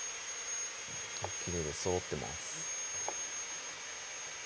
きれいですそろってます